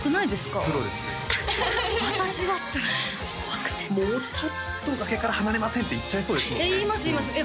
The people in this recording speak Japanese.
ホント私だったらちょっと怖くて「もうちょっと崖から離れません？」って言っちゃいそうですもんね